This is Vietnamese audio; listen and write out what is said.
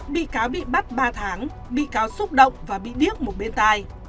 bị cáo bị bắt ba tháng bị cáo xúc động và bị điếc một bên tai